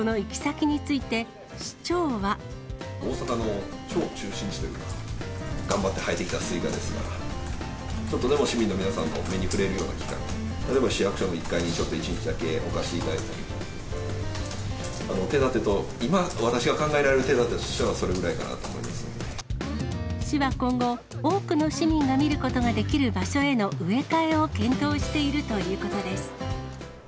大阪の超中心地というか、頑張って生えてきたスイカですから、ちょっとでも市民の皆様の目に触れるような機会、例えば市役所の１階にちょっと１日だけおかしていただけたり、手だてと今、私が考えられる手だてとしては、それぐらいかなと思市は今後、多くの市民が見ることができる場所への植え替えを検討しているということです。